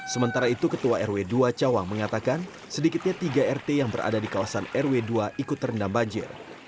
sementara itu ketua rw dua cawang mengatakan sedikitnya tiga rt yang berada di kawasan rw dua ikut terendam banjir